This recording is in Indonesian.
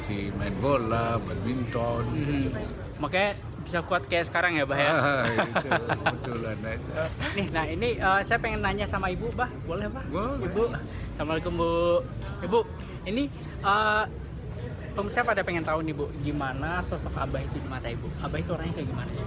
ibu ini pemerintah saya pada ingin tahu nih ibu gimana sosok abah itu di mata ibu abah itu orangnya kayak gimana sih